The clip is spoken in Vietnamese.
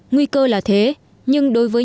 nguy cơ là thế nhưng đối với